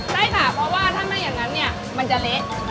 ใช่ค่ะเพราะว่าถ้าไม่อย่างนั้นเนี่ยมันจะเละ